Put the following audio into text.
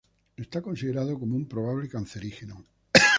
Es considerado como un probable cancerígeno.